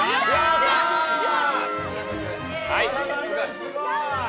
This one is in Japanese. すごい。